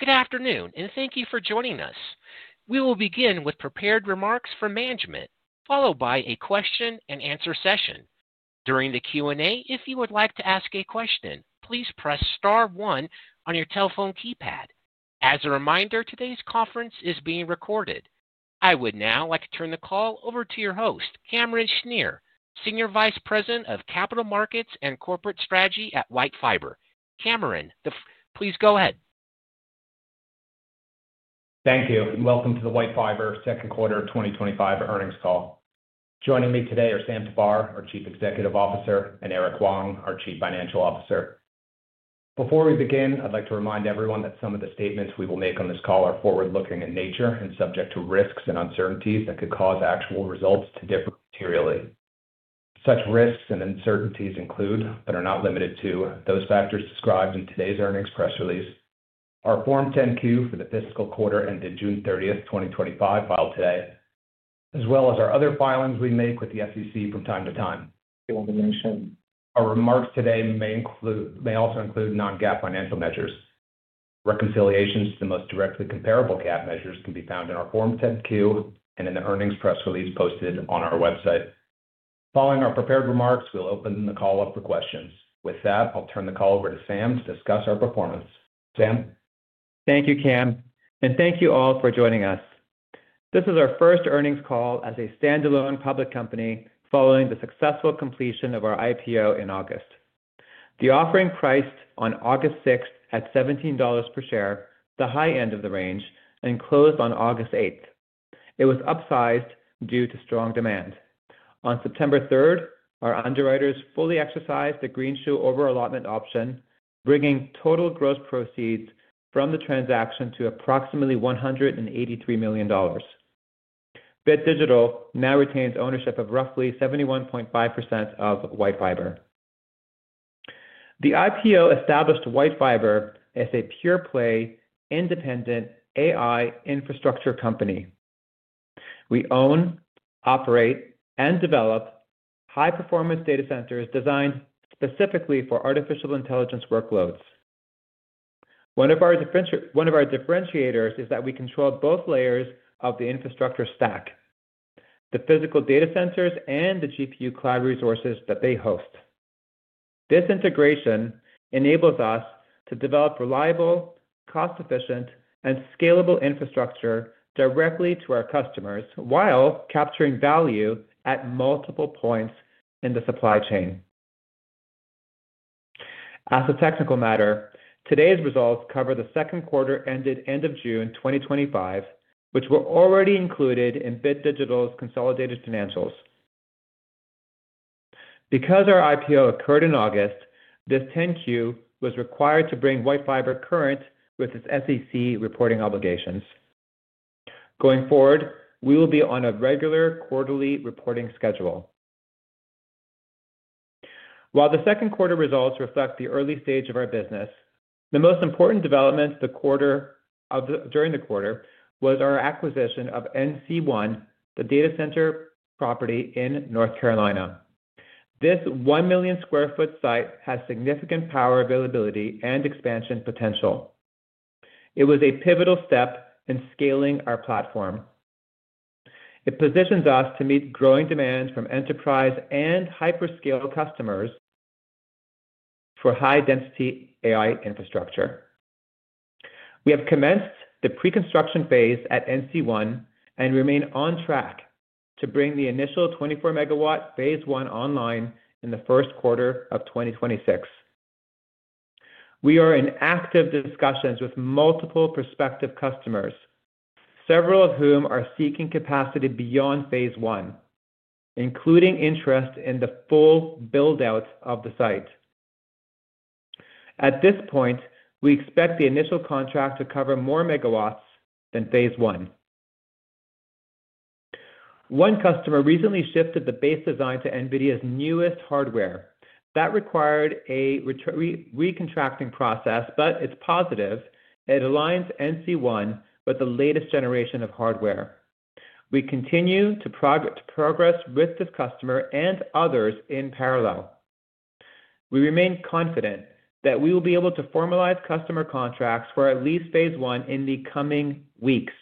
Good afternoon and thank you for joining us. We will begin with prepared remarks from management, followed by a question-and-answer session. During the Q&A, if you would like to ask a question, please press star one on your telephone keypad. As a reminder, today's conference is being recorded. I would now like to turn the call over to your host, Cameron Schnier, Senior Vice President of Capital Markets and Corporate Strategy at WhiteFiber. Cameron, please go ahead. Thank you and welcome to the WhiteFiber Second Quarter 2025 Earnings Call. Joining me today are Sam Tabar, our Chief Executive Officer, and Eric Wong, our Chief Financial Officer. Before we begin, I'd like to remind everyone that some of the statements we will make on this call are forward-looking in nature and subject to risks and uncertainties that could cause actual results to differ materially. Such risks and uncertainties include, but are not limited to, those factors described in today's earnings press release, our Form 10-Q for the fiscal quarter ended June 30, 2025, filed today, as well as our other filings we make with the SEC from time to time. Our remarks today may include non-GAAP financial measures. Reconciliations to the most directly comparable GAAP measures can be found in our Form 10-Q and in the earnings press release posted on our website. Following our prepared remarks, we'll open the call up for questions. With that, I'll turn the call over to Sam to discuss our performance. Sam? Thank you, Cam, and thank you all for joining us. This is our first earnings call as a standalone public company following the successful completion of our IPO in August. The offering priced on August 6th at $17 per share, the high end of the range, and closed on August 8th. It was upsized due to strong demand. On September 3rd, our underwriters fully exercised the Greenshoe overallotment option, bringing total gross proceeds from the transaction to approximately $183 million. Bit Digital now retains ownership of roughly 71.5% of WhiteFiber. The IPO established WhiteFiber as a pure-play, independent AI infrastructure company. We own, operate, and develop high-performance computing data centers designed specifically for artificial intelligence workloads. One of our differentiators is that we control both layers of the infrastructure stack: the physical data centers and the GPU cloud resources that they host. This integration enables us to develop reliable, cost-efficient, and scalable infrastructure directly to our customers while capturing value at multiple points in the supply chain. As a technical matter, today's results cover the second quarter ended end of June 2025, which were already included in Bit Digital's consolidated financials. Because our IPO occurred in August, this 10-Q was required to bring WhiteFiber current with its SEC reporting obligations. Going forward, we will be on a regular quarterly reporting schedule. While the second quarter results reflect the early stage of our business, the most important development during the quarter was our acquisition of NC1, the data center property in North Carolina. This 1 million sq ft site has significant power availability and expansion potential. It was a pivotal step in scaling our platform. It positions us to meet growing demand from enterprise and hyperscale customers for high-density AI infrastructure. We have commenced the pre-construction phase at NC1 and remain on track to bring the initial 24 MW phase I online in the first quarter of 2026. We are in active discussions with multiple prospective customers, several of whom are seeking capacity beyond phase I, including interest in the full build-out of the site. At this point, we expect the initial contract to cover more megawatts than phase I. One customer recently shifted the base design to NVIDIA's newest hardware. That required a recontracting process, but it's positive; it aligns NC1 with the latest generation of hardware. We continue to progress with this customer and others in parallel. We remain confident that we will be able to formalize customer contracts for at least phase I in the coming weeks.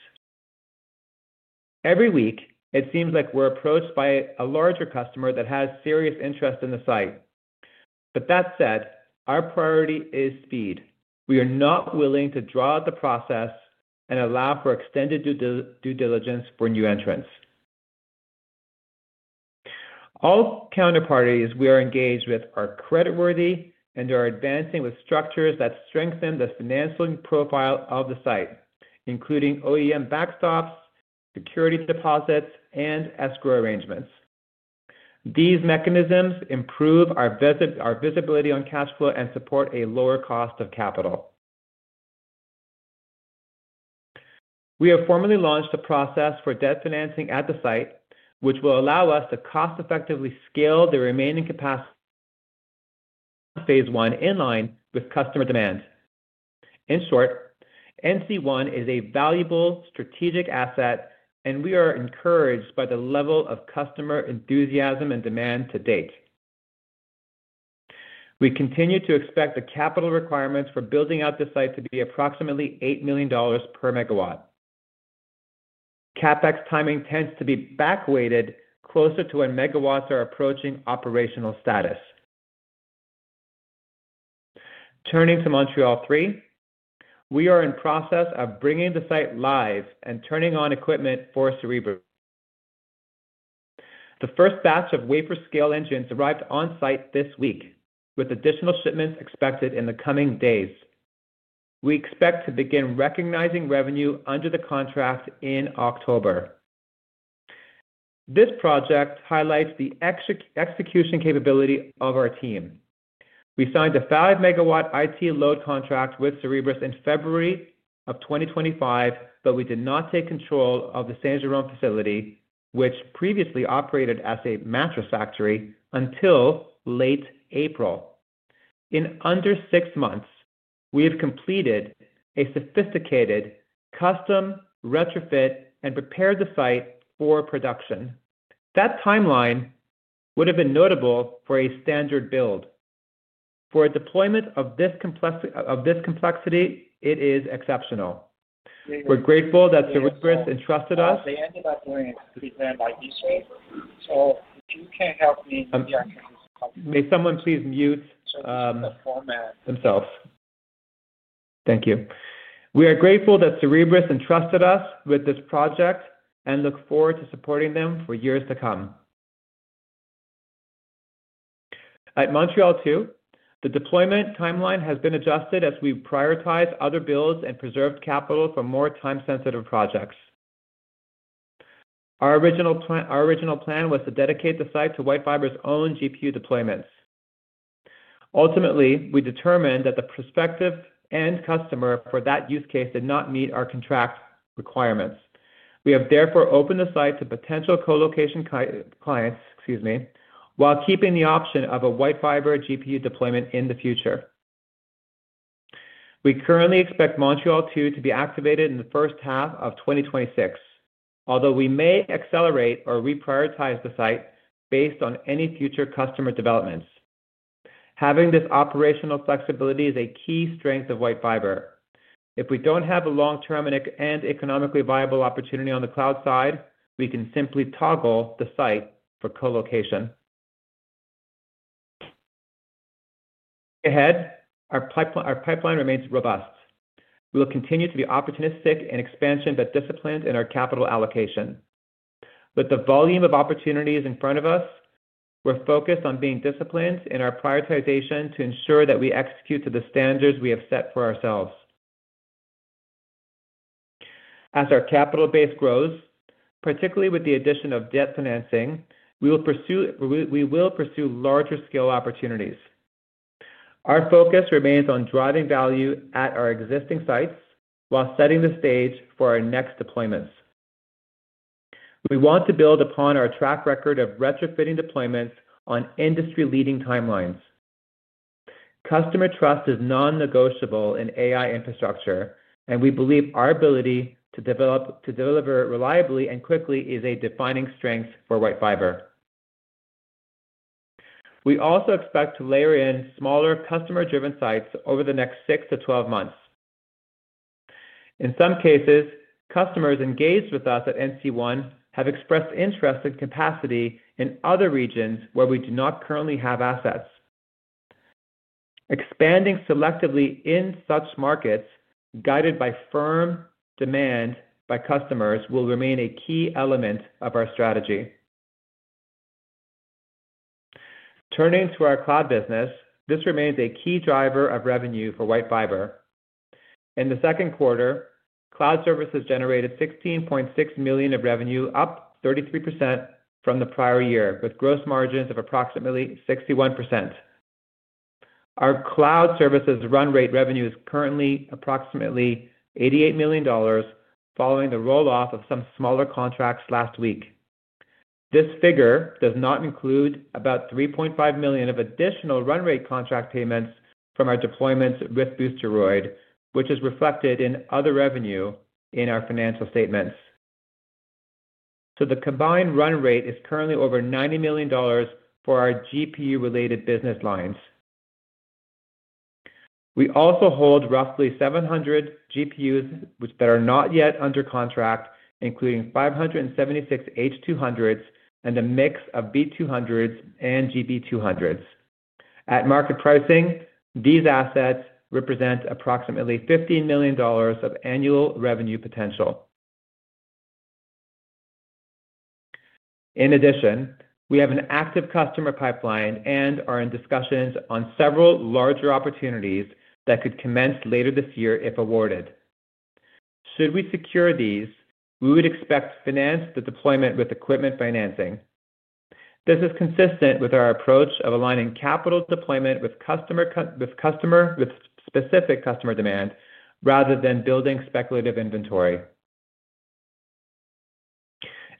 Every week, it seems like we're approached by a larger customer that has serious interest in the site. That said, our priority is speed. We are not willing to draw out the process and allow for extended due diligence for new entrants. All counterparties we are engaged with are creditworthy and are advancing with structures that strengthen the financing profile of the site, including OEM backstops, security deposits, and escrow arrangements. These mechanisms improve our visibility on cash flow and support a lower cost of capital. We have formally launched a process for debt financing at the site, which will allow us to cost-effectively scale the remaining capacity of phase I in line with customer demand. In short, NC1 is a valuable strategic asset, and we are encouraged by the level of customer enthusiasm and demand to date. We continue to expect the capital requirements for building out the site to be approximately $8 million per megawatt. CapEx timing tends to be back-weighted closer to when megawatts are approaching operational status. Turning to MTL-3, we are in the process of bringing the site live and turning on equipment for Cerebras. The first batch of wafer-scale engines arrived on site this week, with additional shipments expected in the coming days. We expect to begin recognizing revenue under the contract in October. This project highlights the execution capability of our team. We signed a 5 MW IT load contract with Cerebras in February of 2025, but we did not take control of the Saint-Jérôme facility, which previously operated as a mattress factory, until late April. In under six months, we have completed a sophisticated custom retrofit and prepared the site for production. That timeline would have been notable for a standard build. For a deployment of this complexity, it is exceptional. We're grateful that Cerebras entrusted us. May someone please mute themselves. Thank you. We are grateful that Cerebras entrusted us with this project and look forward to supporting them for years to come. At MTL-2, the deployment timeline has been adjusted as we prioritize other builds and preserve capital for more time-sensitive projects. Our original plan was to dedicate the site to WhiteFiber's own GPU deployments. Ultimately, we determined that the prospective end customer for that use case did not meet our contract requirements. We have therefore opened the site to potential colocation clients, while keeping the option of a WhiteFiber GPU deployment in the future. We currently expect MTL-2 to be activated in the first half of 2026, although we may accelerate or reprioritize the site based on any future customer developments. Having this operational flexibility is a key strength of WhiteFiber. If we don't have a long-term and economically viable opportunity on the cloud side, we can simply toggle the site for colocation. Ahead, our pipeline remains robust. We will continue to be opportunistic in expansion but disciplined in our capital allocation. With the volume of opportunities in front of us, we're focused on being disciplined in our prioritization to ensure that we execute to the standards we have set for ourselves. As our capital base grows, particularly with the addition of debt financing, we will pursue larger scale opportunities. Our focus remains on driving value at our existing sites while setting the stage for our next deployments. We want to build upon our track record of retrofitting deployments on industry-leading timelines. Customer trust is non-negotiable in AI infrastructure, and we believe our ability to deliver reliably and quickly is a defining strength for WhiteFiber. We also expect to layer in smaller customer-driven sites over the next 6-12 months. In some cases, customers engaged with us at NC1 have expressed interest in capacity in other regions where we do not currently have assets. Expanding selectively in such markets, guided by firm demand by customers, will remain a key element of our strategy. Turning to our cloud business, this remains a key driver of revenue for WhiteFiber. In the second quarter, cloud services generated $16.6 million in revenue, up 33% from the prior year, with gross margins of approximately 61%. Our cloud services run rate revenue is currently approximately $88 million, following the rolloff of some smaller contracts last week. This figure does not include about $3.5 million of additional run rate contract payments from our deployments with Boosteroid, which is reflected in other revenue in our financial statements. The combined run rate is currently over $90 million for our GPU-related business lines. We also hold roughly 700 GPUs that are not yet under contract, including 576 H200s and a mix of B200s and GB200s. At market pricing, these assets represent approximately $15 million of annual revenue potential. In addition, we have an active customer pipeline and are in discussions on several larger opportunities that could commence later this year if awarded. Should we secure these, we would expect to finance the deployment with equipment financing. This is consistent with our approach of aligning capital deployment with specific customer demand rather than building speculative inventory.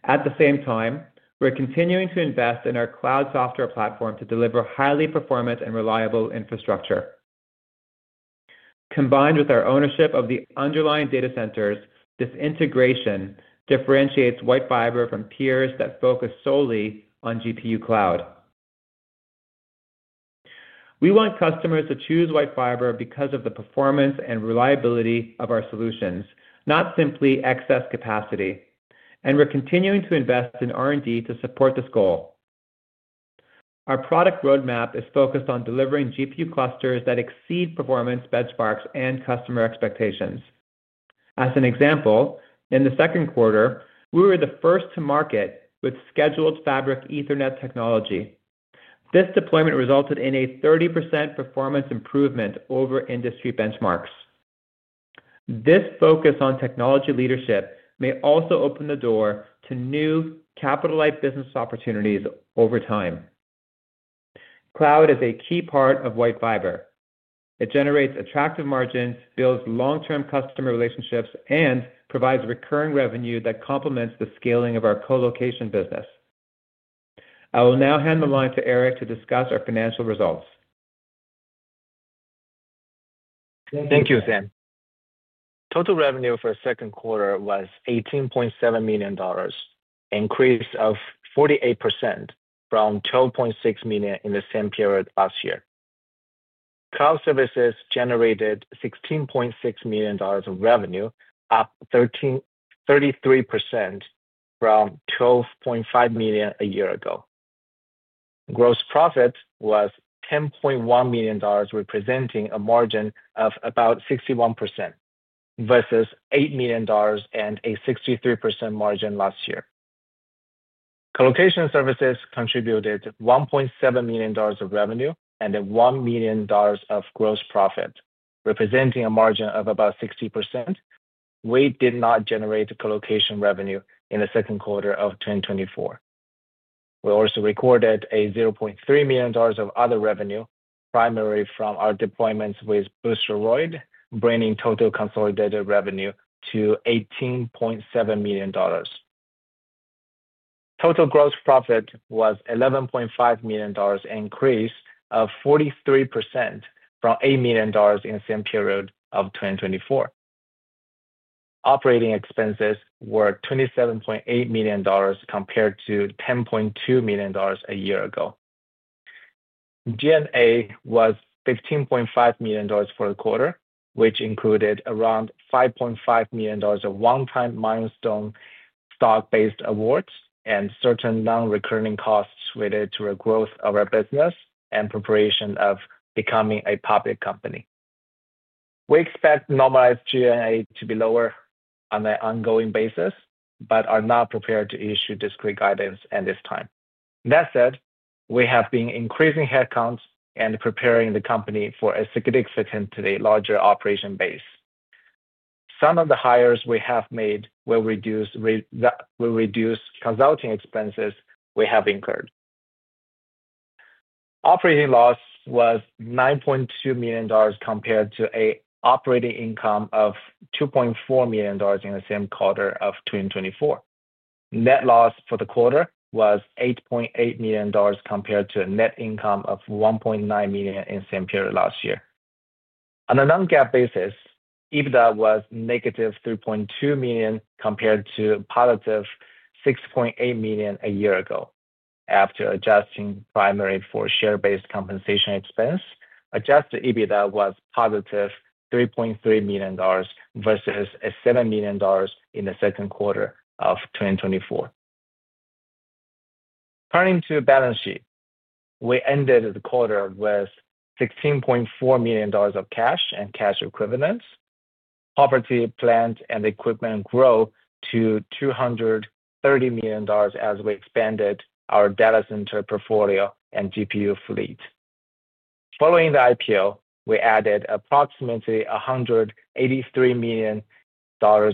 At the same time, we're continuing to invest in our cloud software platform to deliver highly performant and reliable infrastructure. Combined with our ownership of the underlying data centers, this integration differentiates WhiteFiber from peers that focus solely on GPU cloud. We want customers to choose WhiteFiber because of the performance and reliability of our solutions, not simply excess capacity, and we're continuing to invest in R&D to support this goal. Our product roadmap is focused on delivering GPU clusters that exceed performance benchmarks and customer expectations. As an example, in the second quarter, we were the first to market with scheduled fabric Ethernet technology. This deployment resulted in a 30% performance improvement over industry benchmarks. This focus on technology leadership may also open the door to new capital-like business opportunities over time. Cloud is a key part of WhiteFiber. It generates attractive margins, builds long-term customer relationships, and provides recurring revenue that complements the scaling of our colocation business. I will now hand the line to Eric to discuss our financial results. Thank you, Sam. Total revenue for the second quarter was $18.7 million, an increase of 48% from $12.6 million in the same period last year. Cloud services generated $16.6 million in revenue, up 33% from $12.5 million a year ago. Gross profit was $10.1 million, representing a margin of about 61% versus $8 million and a 63% margin last year. Colocation services contributed $1.7 million of revenue and $1 million of gross profit, representing a margin of about 60%. We did not generate colocation revenue in the second quarter of 2024. We also recorded $0.3 million of other revenue, primarily from our deployments with Boosteroid, bringing total consolidated revenue to $18.7 million. Total gross profit was $11.5 million, an increase of 43% from $8 million in the same period of 2024. Operating expenses were $27.8 million compared to $10.2 million a year ago. G&A was $15.5 million for the quarter, which included around $5.5 million of one-time milestone stock-based awards and certain non-recurring costs related to the growth of our business and preparation of becoming a public company. We expect normalized G&A to be lower on an ongoing basis, but are not prepared to issue discrete guidance at this time. That said, we have been increasing headcount and preparing the company for a significantly larger operation base. Some of the hires we have made will reduce consulting expenses we have incurred. Operating loss was $9.2 million compared to an operating income of $2.4 million in the same quarter of 2024. Net loss for the quarter was $8.8 million compared to a net income of $1.9 million in the same period last year. On a non-GAAP basis, EBITDA was negative $3.2 million compared to a positive $6.8 million a year ago. After adjusting primarily for share-based compensation expense, adjusted EBITDA was positive $3.3 million versus $7 million in the second quarter of 2024. Turning to the balance sheet, we ended the quarter with $16.4 million of cash and cash equivalents. Property, plants, and equipment grew to $230 million as we expanded our data center portfolio and GPU fleet. Following the IPO, we added approximately $183 million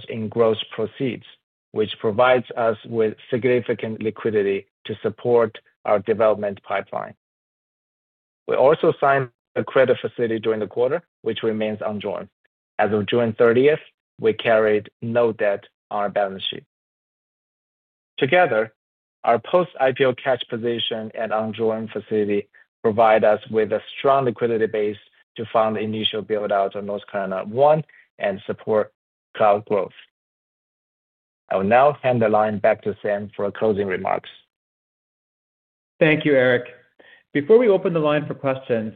in gross proceeds, which provides us with significant liquidity to support our development pipeline. We also signed a credit facility during the quarter, which remains undrawn. As of June 30th, we carried no debt on our balance sheet. Together, our post-IPO cash position and undrawn facility provide us with a strong liquidity base to fund the initial build-out of NC1 and support cloud growth. I will now hand the line back to Sam for closing remarks. Thank you, Eric. Before we open the line for questions,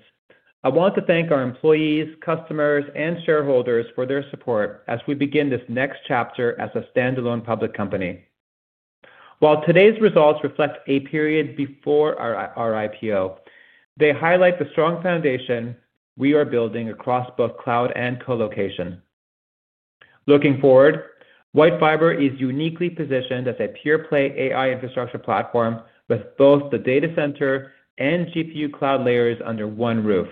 I want to thank our employees, customers, and shareholders for their support as we begin this next chapter as a standalone public company. While today's results reflect a period before our IPO, they highlight the strong foundation we are building across both cloud and colocation. Looking forward, WhiteFiber is uniquely positioned as a pure-play AI infrastructure platform with both the data center and GPU cloud layers under one roof.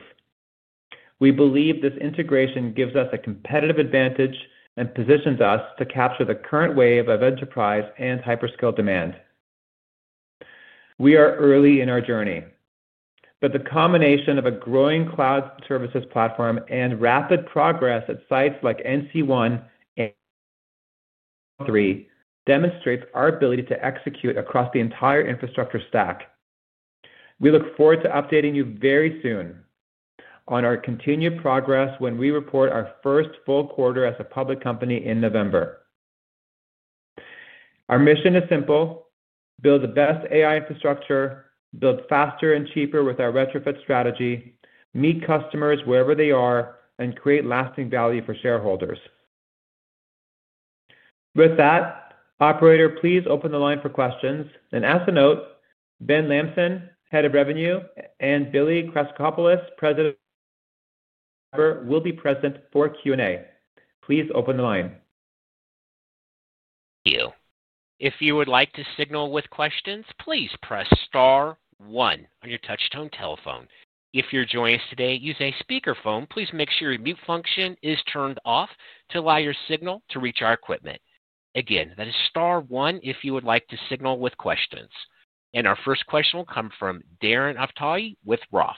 We believe this integration gives us a competitive advantage and positions us to capture the current wave of enterprise and hyperscale demand. We are early in our journey, but the combination of a growing cloud services platform and rapid progress at sites like NC1 and WhiteFiber 3 demonstrates our ability to execute across the entire infrastructure stack. We look forward to updating you very soon on our continued progress when we report our first full quarter as a public company in November. Our mission is simple: build the best AI infrastructure, build faster and cheaper with our retrofit strategy, meet customers wherever they are, and create lasting value for shareholders. With that, operator, please open the line for questions. As a note, Ben Lampson, Head of Revenue, and Billy Krassakopoulos, President of WhiteFiber, will be present for Q&A. Please open the line. Thank you. If you would like to signal with questions, please press star one on your touch-tone telephone. If you're joining us today using a speakerphone, please make sure your mute function is turned off to allow your signal to reach our equipment. Again, that is star one if you would like to signal with questions. Our first question will come from Darren Aftahi with Roth.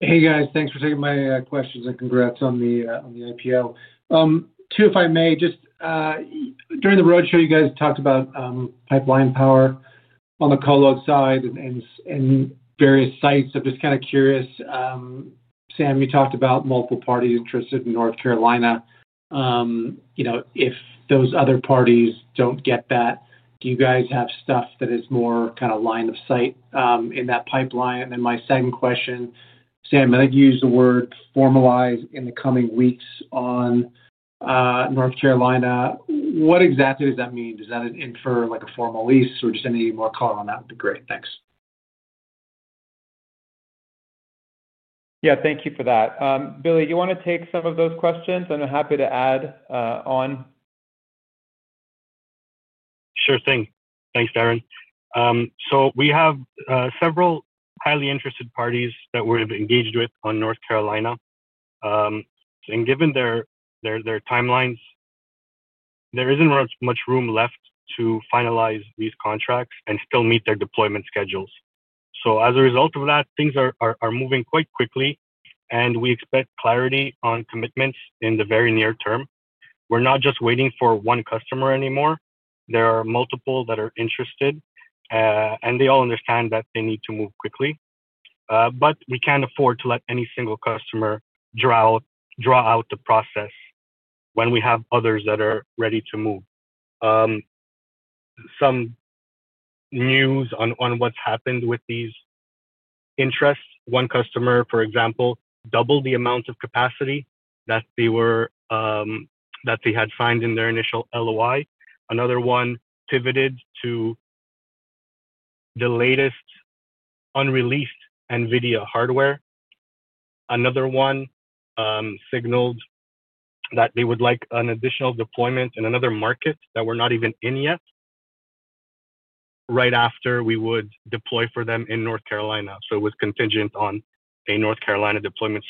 Hey, guys, thanks for taking my questions and congrats on the IPO. Two, if I may, just during the roadshow, you guys talked about pipeline power on the colo side and various sites. I'm just kind of curious. Sam, you talked about multiple parties interested in North Carolina. If those other parties don't get that, do you guys have stuff that is more kind of line of sight in that pipeline? My second question, Sam, I know you use the word formalized in the coming weeks on North Carolina. What exactly does that mean? Does that infer, like, a formal lease or just any more color on that would be great? Thanks. Yeah, thank you for that. Billy, do you want to take some of those questions? I'm happy to add on. Sure thing. Thanks, Darren. We have several highly interested parties that we're engaged with on North Carolina. Given their timelines, there isn't much room left to finalize these contracts and still meet their deployment schedules. As a result of that, things are moving quite quickly, and we expect clarity on commitments in the very near term. We're not just waiting for one customer anymore. There are multiple that are interested, and they all understand that they need to move quickly. We can't afford to let any single customer draw out the process when we have others that are ready to move. Some news on what's happened with these interests: one customer, for example, doubled the amount of capacity that they had signed in their initial LOI. Another one pivoted to the latest unreleased NVIDIA hardware. Another one signaled that they would like an additional deployment in another market that we're not even in yet, right after we would deploy for them in North Carolina. It was contingent on a North Carolina deployment.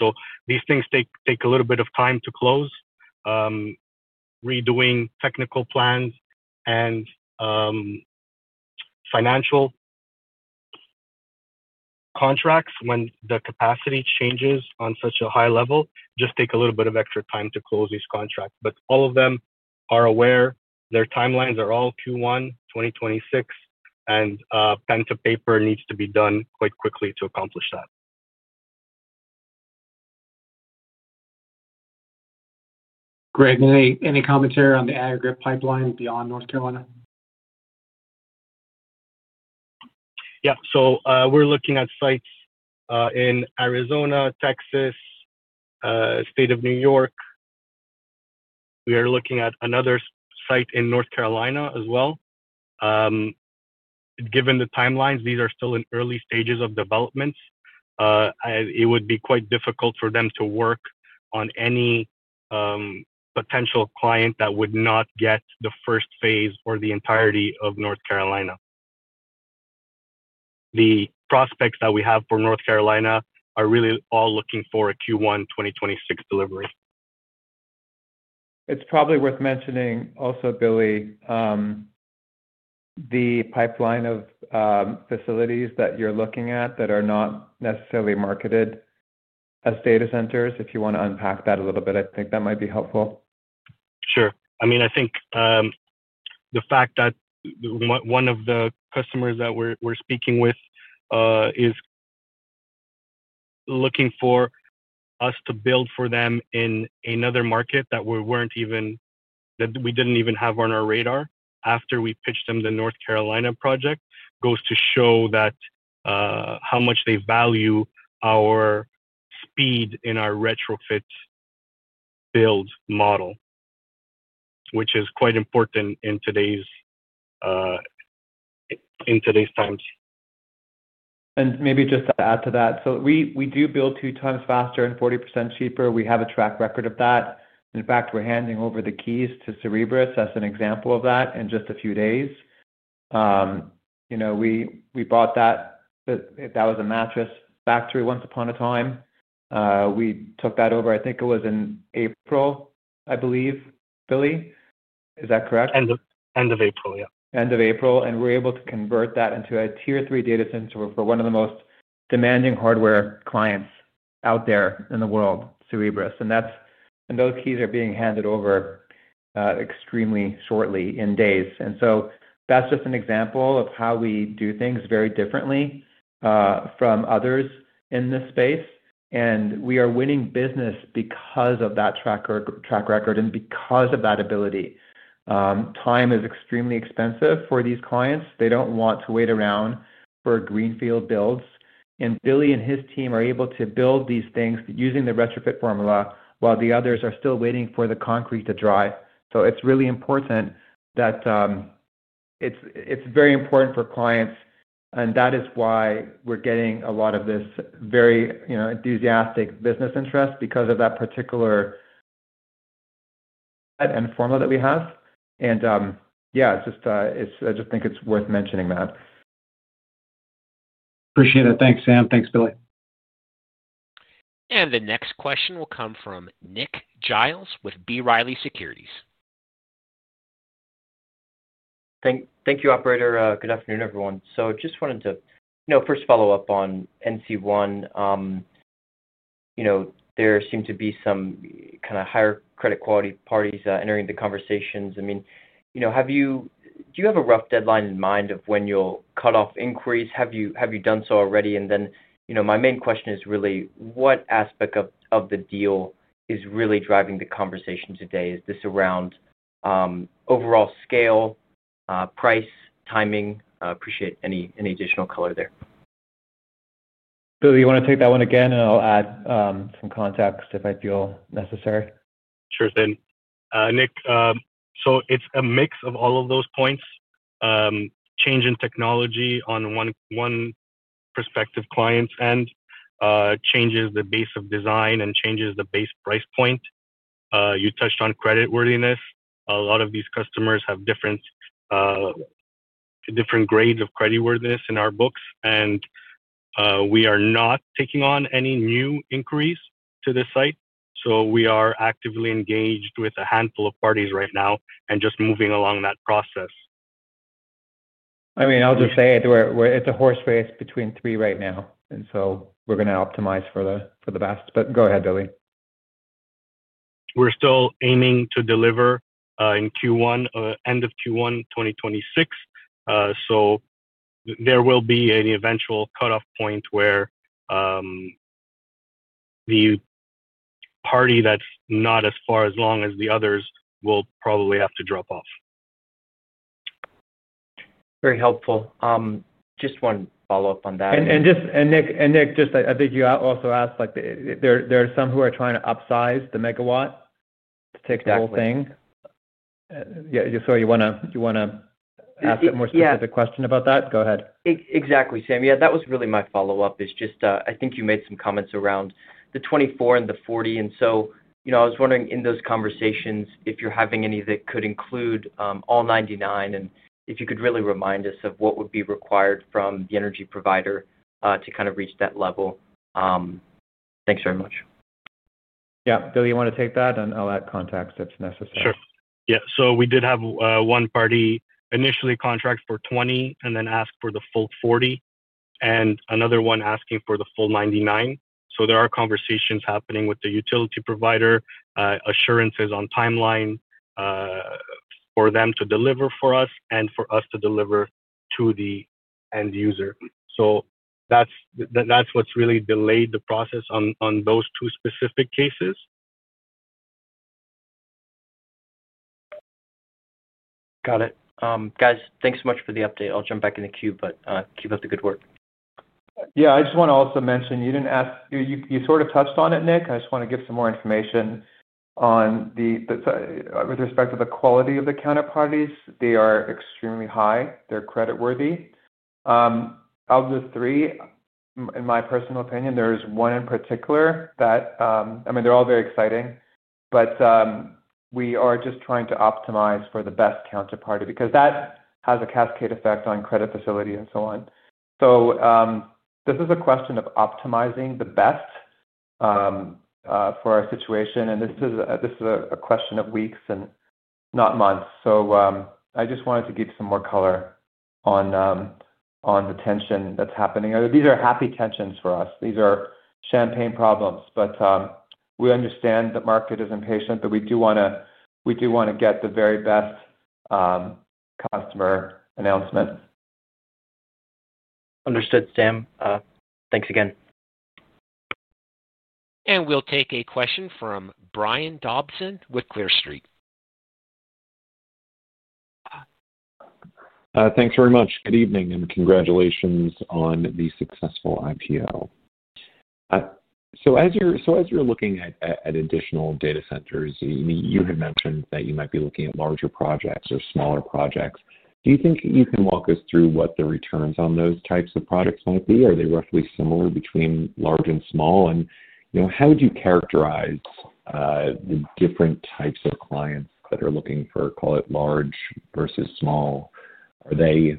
These things take a little bit of time to close, redoing technical plans and financial contracts when the capacity changes on such a high level. Just take a little bit of extra time to close these contracts. All of them are aware their timelines are all Q1 2026, and pen to paper needs to be done quite quickly to accomplish that. Greg, any commentary on the aggregate pipeline beyond North Carolina? We're looking at sites in Arizona, Texas, the state of New York. We are looking at another site in North Carolina as well. Given the timelines, these are still in early stages of development. It would be quite difficult for them to work on any potential client that would not get the first phase or the entirety of North Carolina. The prospects that we have for North Carolina are really all looking for a Q1 2026 delivery. It's probably worth mentioning also, Billy, the pipeline of facilities that you're looking at that are not necessarily marketed as data centers. If you want to unpack that a little bit, I think that might be helpful. Sure. I think the fact that one of the customers that we're speaking with is looking for us to build for them in another market that we didn't even have on our radar after we pitched them the North Carolina project goes to show how much they value our speed in our retrofit model, which is quite important in today's times. To add to that, we do build two times faster and 40% cheaper. We have a track record of that. In fact, we're handing over the keys to Cerebras as an example of that in just a few days. We bought that. That was a mattress factory once upon a time. We took that over, I think it was in April, I believe, Billy. Is that correct? End of April, yeah. End of April, and we're able to convert that into a tier three data center for one of the most demanding hardware clients out there in the world, Cerebras. Those keys are being handed over extremely shortly, in days. That's just an example of how we do things very differently from others in this space. We are winning business because of that track record and because of that ability. Time is extremely expensive for these clients. They don't want to wait around for greenfield builds. Billy and his team are able to build these things using the retrofit model while the others are still waiting for the concrete to dry. It's really important for clients. That is why we're getting a lot of this very enthusiastic business interest because of that particular model that we have. I just think it's worth mentioning that. Appreciate it. Thanks, Sam. Thanks, Billy. The next question will come from Nick Giles with B. Riley Securities. Thank you, operator. Good afternoon, everyone. I just wanted to first follow up on NC1. There seem to be some kind of higher credit quality parties entering the conversations. Do you have a rough deadline in mind of when you'll cut off inquiries? Have you done so already? My main question is really what aspect of the deal is really driving the conversation today. Is this around overall scale, price, timing? Appreciate any additional color there. Billy, you want to take that one again? I'll add some context if I feel necessary. Sure thing. Nick, it's a mix of all of those points. Change in technology on one prospective client's end changes the base of design and changes the base price point. You touched on creditworthiness. A lot of these customers have different grades of creditworthiness in our books. We are not taking on any new inquiries to this site. We are actively engaged with a handful of parties right now and just moving along that process. I'll just say it, we're at the horse race between three right now. We're going to optimize for the best. Go ahead, Billy. We're still aiming to deliver in Q1, end of Q1 2026. There will be an eventual cutoff point where the party that's not as far along as the others will probably have to drop off. Very helpful. Just one follow-up on that. Nick, I think you also asked, there are some who are trying to upsize the megawatt to take the whole thing. If you want to ask a more specific question about that, go ahead. Exactly, Sam. That was really my follow-up. I think you made some comments around the 24 and the 40. I was wondering in those conversations if you're having any that could include all 99 and if you could really remind us of what would be required from the energy provider to reach that level. Thanks very much. Yeah, Billy, you want to take that? I'll add context if necessary. Sure. Yeah, we did have one party initially contract for 20 and then ask for the full 40, and another one asking for the full 99. There are conversations happening with the utility provider, assurances on timeline for them to deliver for us and for us to deliver to the end user. That's what's really delayed the process on those two specific cases. Got it. Guys, thanks so much for the update. I'll jump back in the queue, but keep up the good work. I just want to also mention you didn't ask, you sort of touched on it, Nick. I just want to give some more information with respect to the quality of the counterparties. They are extremely high. They're creditworthy. Of the three, in my personal opinion, there is one in particular that, I mean, they're all very exciting, but we are just trying to optimize for the best counterparty because that has a cascade effect on credit facility and so on. This is a question of optimizing the best for our situation. This is a question of weeks and not months. I just wanted to give some more color on the tension that's happening. These are happy tensions for us. These are champagne problems. We understand the market is impatient, but we do want to get the very best customer announcement. Understood, Sam. Thanks again. We'll take a question from Brian Dobson with Clear Street. Thanks very much. Good evening and congratulations on the successful IPO. As you're looking at additional data centers, you had mentioned that you might be looking at larger projects or smaller projects. Do you think that you can walk us through what the returns on those types of products might be? Are they roughly similar between large and small? How would you characterize the different types of clients that are looking for, call it large versus small? Are they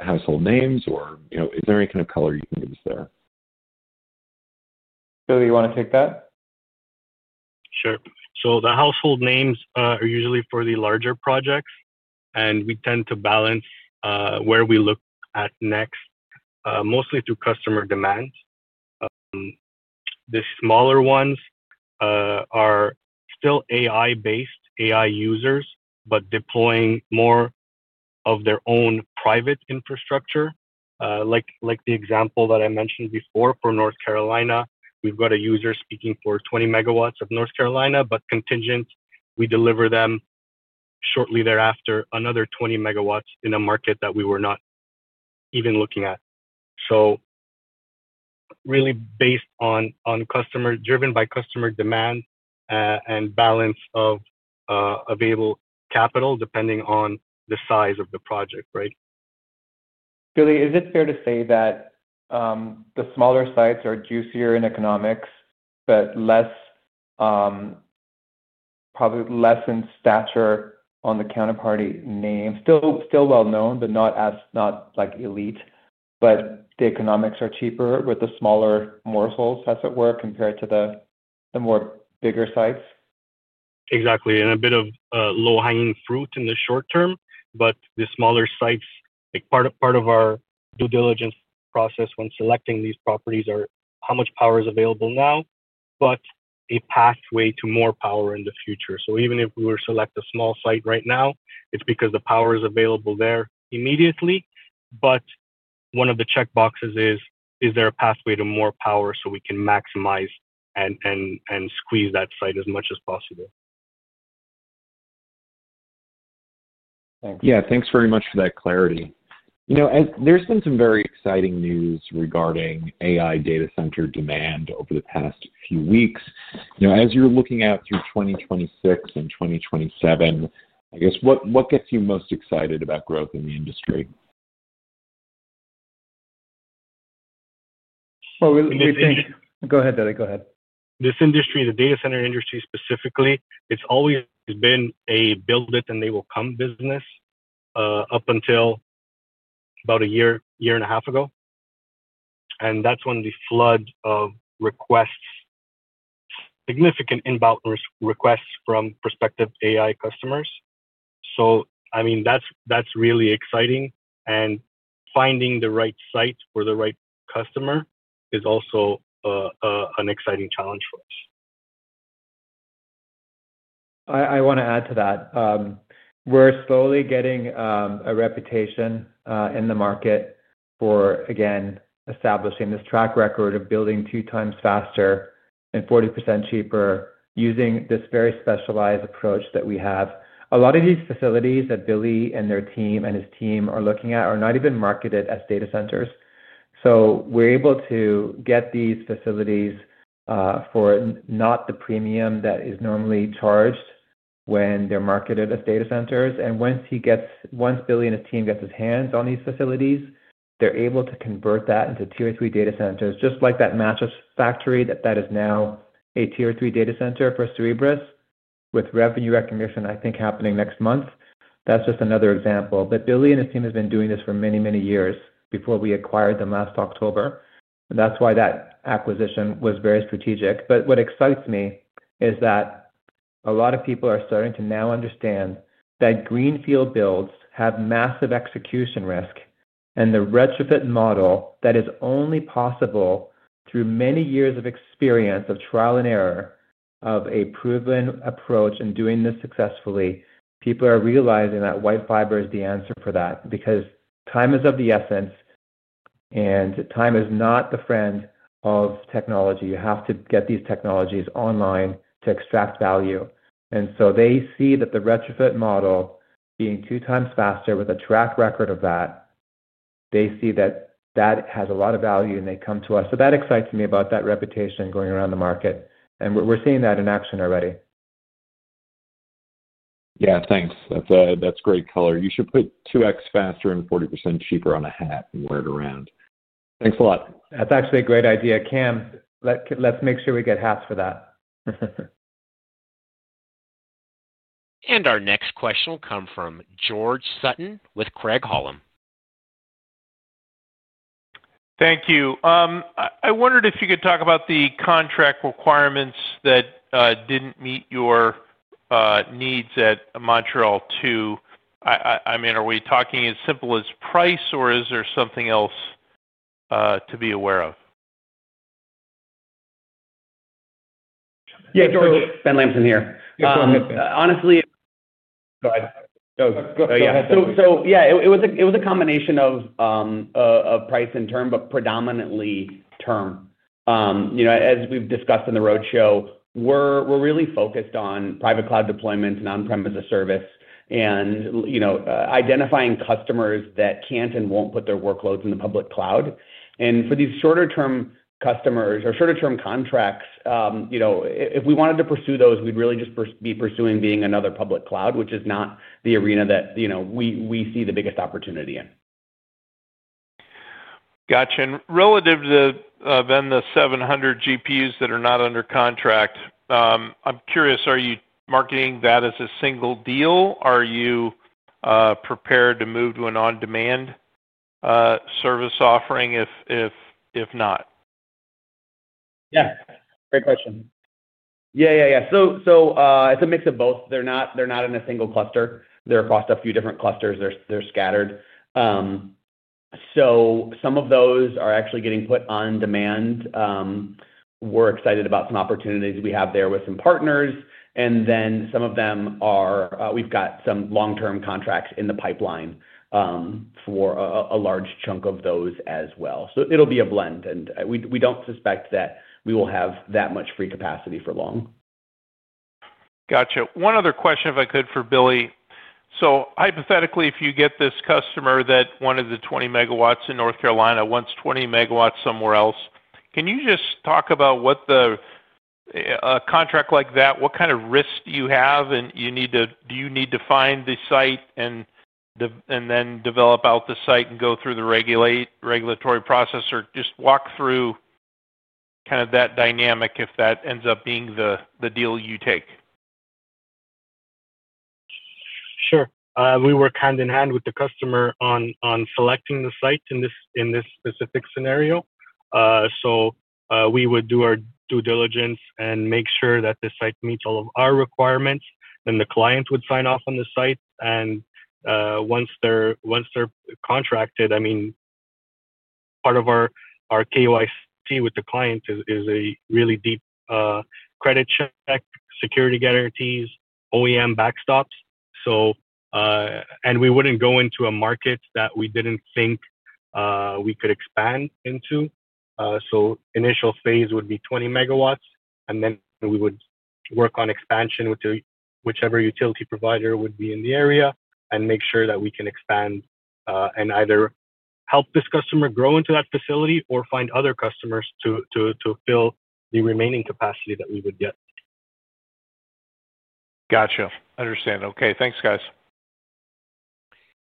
household names or is there any kind of color you can give us there? Billy, you want to take that? Sure. The household names are usually for the larger projects. We tend to balance where we look at next, mostly through customer demand. The smaller ones are still AI-based, AI users, but deploying more of their own private infrastructure, like the example that I mentioned before for North Carolina. We've got a user speaking for 20 MW of North Carolina, but contingent, we deliver them shortly thereafter another 20 MW in a market that we were not even looking at. It is really based on customer, driven by customer demand and balance of available capital, depending on the size of the project, right? Billy, is it fair to say that the smaller sites are juicier in economics, but probably less in stature on the counterparty name? Still well known, but not like elite, but the economics are cheaper with the smaller morsels, as it were, compared to the bigger sites? Exactly, and a bit of low-hanging fruit in the short term, but the smaller sites, like part of our due diligence process when selecting these properties, are how much power is available now, but a pathway to more power in the future. Even if we were to select a small site right now, it's because the power is available there immediately. One of the checkboxes is, is there a pathway to more power so we can maximize and squeeze that site as much as possible. Thanks. Yeah, thanks very much for that clarity. There's been some very exciting news regarding AI data center demand over the past few weeks. As you're looking out through 2026 and 2027, I guess what gets you most excited about growth in the industry? We think. Go ahead, Billy. Go ahead. This industry, the data center industry specifically, it's always been a build it and they will come business up until about a year, year and a half ago. That's when the flood of requests, significant inbound requests from prospective AI customers, started. I mean, that's really exciting. Finding the right site for the right customer is also an exciting challenge for us. I want to add to that. We're slowly getting a reputation in the market for, again, establishing this track record of building 2x faster and 40% cheaper using this very specialized approach that we have. A lot of these facilities that Billy and his team are looking at are not even marketed as data centers. We're able to get these facilities for not the premium that is normally charged when they're marketed as data centers. Once Billy and his team get their hands on these facilities, they're able to convert that into tier three data centers, just like that mattress factory that is now a tier three data center for Cerebras with revenue recognition, I think, happening next month. That's just another example. Billy and his team have been doing this for many, many years before we acquired them last October. That acquisition was very strategic. What excites me is that a lot of people are starting to now understand that greenfield builds have massive execution risk and the retrofit model is only possible through many years of experience, of trial and error, of a proven approach in doing this successfully. People are realizing that WhiteFiber is the answer for that because time is of the essence and time is not the friend of technology. You have to get these technologies online to extract value. They see that the retrofit model being 2x faster with a track record of that, they see that that has a lot of value and they come to us. That excites me about that reputation going around the market. We're seeing that in action already. Yeah, thanks. That's great color. You should put 2x faster and 40% cheaper on a hat and wear it around. Thanks a lot. That's actually a great idea, Cameron. Let's make sure we get hats for that. Our next question will come from George Sutton with Craig-Hallum. Thank you. I wondered if you could talk about the contract requirements that didn't meet your needs at MTL-2. I mean, are we talking as simple as price, or is there something else to be aware of? Yeah, George, Ben Lampson here. Honestly, go ahead. It was a combination of price and term, but predominantly term. You know, as we've discussed in the roadshow, we're really focused on private cloud deployment and on-prem as a service, and identifying customers that can't and won't put their workloads in the public cloud. For these shorter-term customers or shorter-term contracts, if we wanted to pursue those, we'd really just be pursuing being another public cloud, which is not the arena that we see the biggest opportunity in. Gotcha. Relative to the 700 GPUs that are not under contract, I'm curious, are you marketing that as a single deal? Are you prepared to move to an on-demand service offering if not? Great question. It's a mix of both. They're not in a single cluster; they're across a few different clusters. They're scattered. Some of those are actually getting put on demand. We're excited about some opportunities we have there with some partners. Some of them are, we've got some long-term contracts in the pipeline for a large chunk of those as well. It'll be a blend. We don't suspect that we will have that much free capacity for long. Gotcha. One other question, if I could, for Billy. Hypothetically, if you get this customer that wanted the 20 MW in North Carolina, wants 20 MW somewhere else, can you just talk about what the contract like that, what kind of risks do you have, and do you need to find the site and then develop out the site and go through the regulatory process, or just walk through kind of that dynamic if that ends up being the deal you take? Sure. We work hand in hand with the customer on selecting the site in this specific scenario. We would do our due diligence and make sure that the site meets all of our requirements. The client would sign off on the site. Once they're contracted, part of our KYC with the client is a really deep credit check, security guarantees, OEM backstops. We wouldn't go into a market that we didn't think we could expand into. The initial phase would be 20 MW. We would work on expansion with whichever utility provider would be in the area and make sure that we can expand and either help this customer grow into that facility or find other customers to fill the remaining capacity that we would get. Gotcha. I understand. Okay, thanks, guys.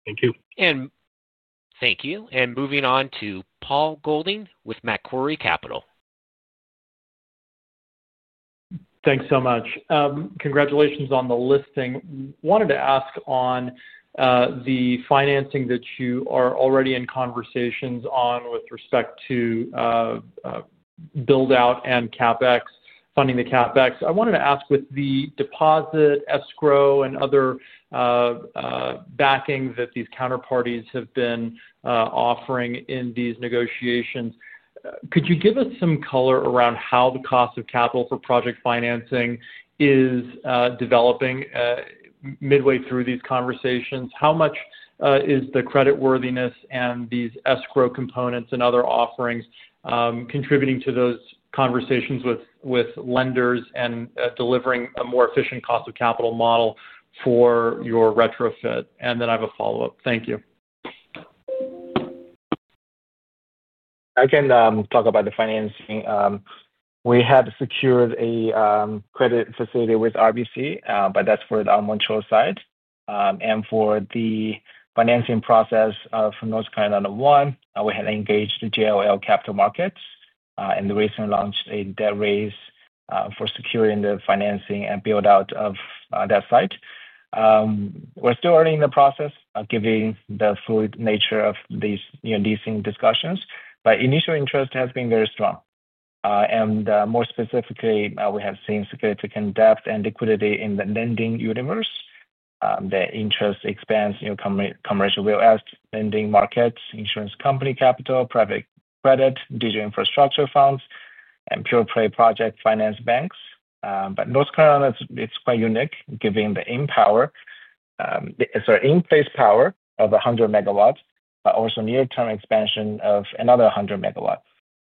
Thank you. Thank you. Moving on to Paul Golding with Macquarie Capital. Thanks so much. Congratulations on the listing. I wanted to ask on the financing that you are already in conversations on with respect to build-out and CapEx, funding the CapEx. I wanted to ask with the deposit, escrow, and other backing that these counterparties have been offering in these negotiations, could you give us some color around how the cost of capital for project financing is developing midway through these conversations? How much is the creditworthiness and these escrow components and other offerings contributing to those conversations with lenders and delivering a more efficient cost of capital model for your retrofit? I have a follow-up. Thank you. I can talk about the financing. We have secured a credit facility with RBC, but that's for the MTL site. For the financing process for North Carolina 1, we had engaged the JOL Capital Markets and recently launched a debt raise for securing the financing and build-out of that site. We're still early in the process, given the fluid nature of these discussions, but initial interest has been very strong. More specifically, we have seen significant depth and liquidity in the lending universe. The interest expands in commercial real estate lending markets, insurance company capital, private credit, digital infrastructure funds, and pure play project finance banks. North Carolina is quite unique, given the in-place power of 100 MW, but also near-term expansion of another 100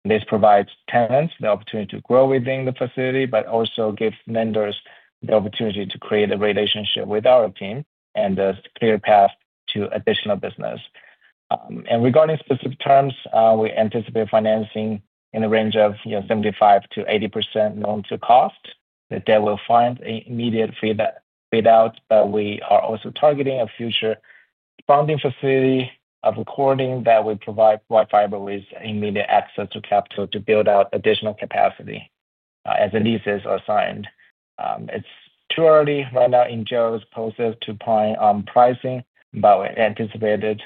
MW.This provides tenants the opportunity to grow within the facility, and also gives lenders the opportunity to create a relationship with our team and a clear path to additional business. Regarding specific terms, we anticipate financing in a range of 75%-80% loan-to-cost. The debt will find an immediate feed-out, but we are also targeting a future funding facility of recording that we provide WhiteFiber with immediate access to capital to build out additional capacity as the leases are signed. It's too early right now in JOL's process to point on pricing, but we anticipate it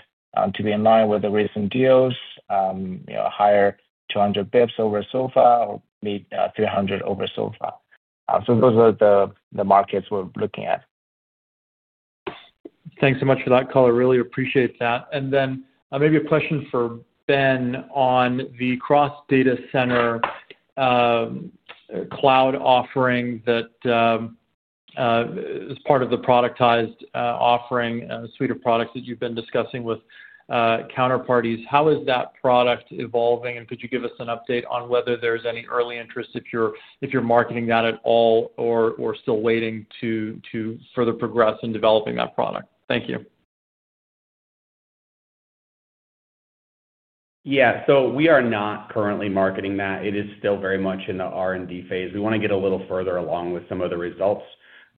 to be in line with the recent deals, higher 200 basis points over SOFR or 300 basis points over SOFR. Those are the markets we're looking at. Thanks so much for that call. I really appreciate that. Maybe a question for Ben on the cross-data center cloud offering that is part of the productized offering suite of products that you've been discussing with counterparties. How is that product evolving? Could you give us an update on whether there's any early interest if you're marketing that at all or still waiting to further progress in developing that product? Thank you. We are not currently marketing that. It is still very much in the R&D phase. We want to get a little further along with some of the results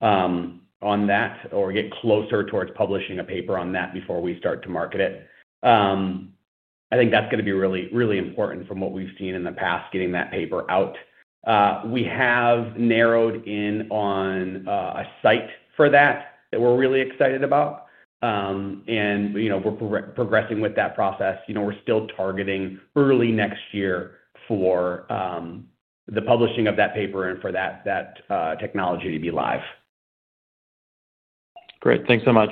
on that or get closer towards publishing a paper on that before we start to market it. I think that's going to be really, really important from what we've seen in the past, getting that paper out. We have narrowed in on a site for that that we're really excited about, and we're progressing with that process. We're still targeting early next year for the publishing of that paper and for that technology to be live. Great. Thanks so much.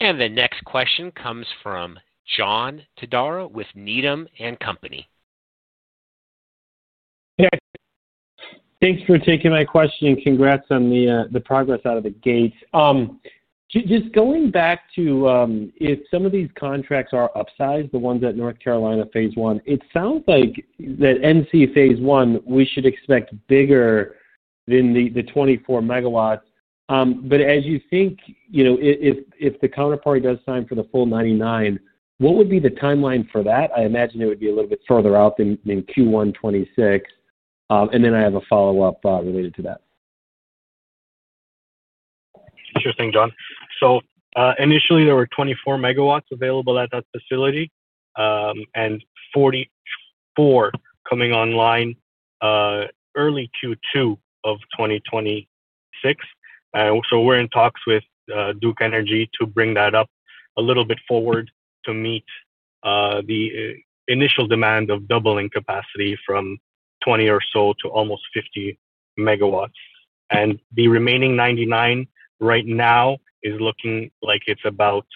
The next question comes from John Todaro with Needham & Company. Thanks for taking my question and congrats on the progress out of the gates. Just going back to if some of these contracts are upsized, the ones at North Carolina phase I, it sounds like that NC1 phase I, we should expect bigger than the 24 MW. As you think, if the counterparty does sign for the full 99, what would be the timeline for that? I imagine it would be a little bit further out than Q1 2026. I have a follow-up related to that. Sure thing, Don. Initially, there were 24 MW available at that facility, and 44 MW coming online early Q2 of 2026. We're in talks with Duke Energy to bring that up a little bit forward to meet the initial demand of doubling capacity from 20 MW or so to almost 50 MW. The remaining 99 MW right now is looking like it's about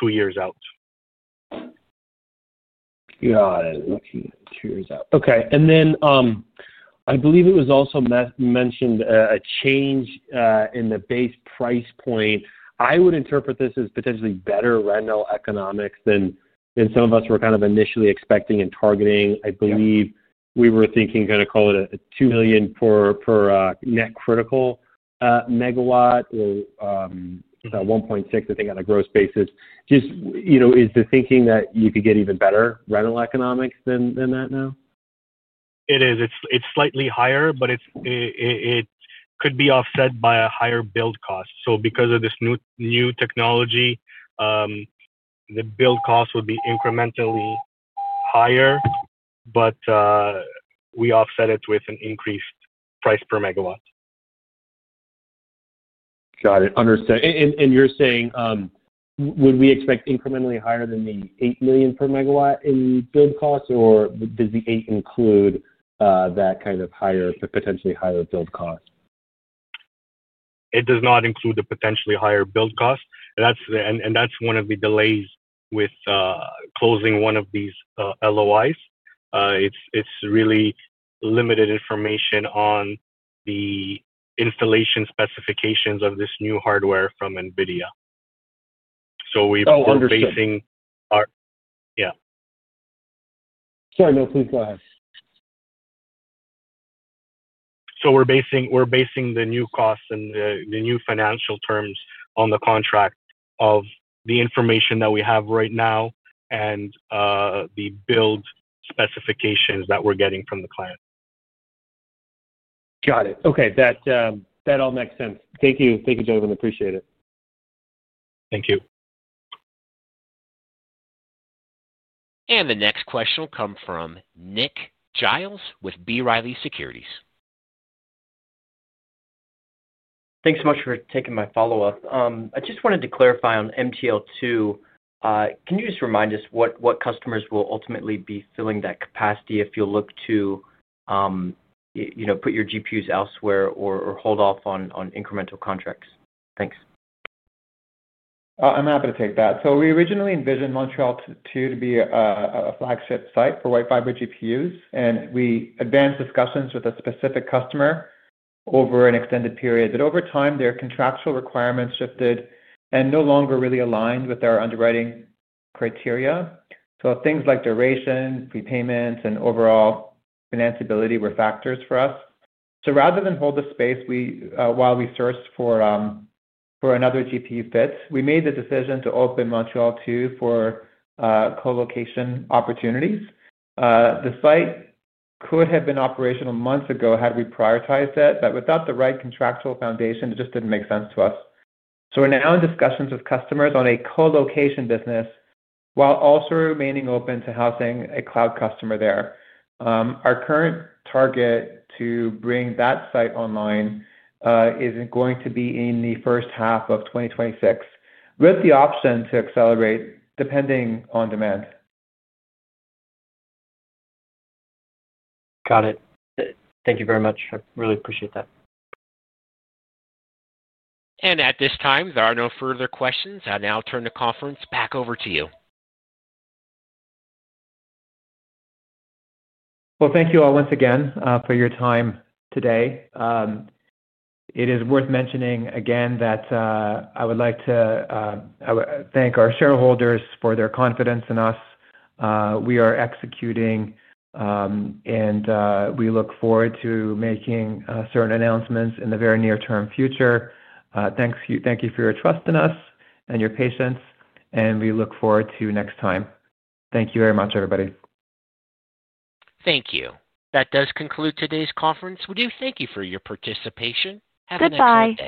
two years out. Got it. Looking two years out. Okay. I believe it was also mentioned a change in the base price point. I would interpret this as potentially better rental economics than some of us were kind of initially expecting and targeting. I believe we were thinking, call it $2 million per net critical megawatt or about $1.6 million, I think, on a gross basis. Is the thinking that you could get even better rental economics than that now? It is. It's slightly higher, but it could be offset by a higher build cost. Because of this new technology, the build cost would be incrementally higher, but we offset it with an increased price per megawatt. Got it. Understood. You're saying, would we expect incrementally higher than the $8 million per megawatt in the build cost, or does the $8 million include that kind of higher, potentially higher build cost? It does not include the potentially higher build cost. That is one of the delays with closing one of these LOIs. It is really limited information on the installation specifications of this new hardware from NVIDIA. Oh, understood. as CEO of WhiteFiber. Sorry, no, please go ahead. We're basing the new cost and the new financial terms on the contract of the information that we have right now and the build specifications that we're getting from the client. Got it. Okay, that all makes sense. Thank you. Thank you, gentlemen. Appreciate it. Thank you. The next question will come from Nick Giles with B. Riley Securities. Thanks so much for taking my follow-up. I just wanted to clarify on MTL-2. Can you just remind us what customers will ultimately be filling that capacity if you look to put your GPUs elsewhere or hold off on incremental contracts? Thanks. I'm happy to take that. We originally envisioned MTL-2 to be a flagship site for WhiteFiber GPUs. We advanced discussions with a specific customer over an extended period, but over time, their contractual requirements shifted and no longer really aligned with our underwriting criteria. Things like duration, prepayments, and overall financeability were factors for us. Rather than hold the space while we searched for another GPU fit, we made the decision to open MTL-2 for colocation opportunities. The site could have been operational months ago had we prioritized it, but without the right contractual foundation, it just didn't make sense to us. We are now in discussions with customers on a colocation business while also remaining open to housing a cloud customer there. Our current target to bring that site online is going to be in the first half of 2026, with the option to accelerate depending on demand. Got it. Thank you very much. I really appreciate that. At this time, there are no further questions. I now turn the conference back over to you. Thank you all once again for your time today. It is worth mentioning again that I would like to thank our shareholders for their confidence in us. We are executing, and we look forward to making certain announcements in the very near-term future. Thank you for your trust in us and your patience, and we look forward to next time. Thank you very much, everybody. Thank you. That does conclude today's conference. We do thank you for your participation. Have a nice day. Goodbye.